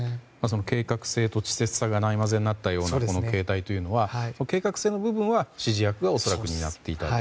計画性と稚拙さがないまぜになったようなこの形態というのは計画性の部分は指示役が恐らく担っていたと。